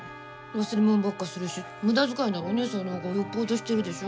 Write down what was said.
忘れ物ばっかするしむだづかいならお姉さんのほうがよっぽどしてるでしょ。